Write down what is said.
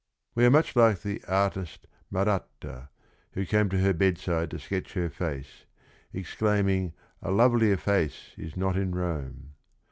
We are much like the artist Maratta, who came to her bedside to sketch her face, ex claiming " a lovelier face is not in Rome."